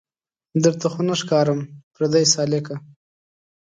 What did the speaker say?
درته خو نه ښکارم پردۍ سالکه